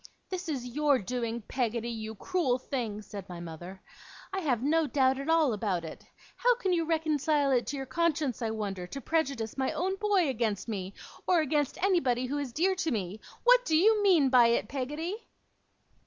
'This is your doing, Peggotty, you cruel thing!' said my mother. 'I have no doubt at all about it. How can you reconcile it to your conscience, I wonder, to prejudice my own boy against me, or against anybody who is dear to me? What do you mean by it, Peggotty?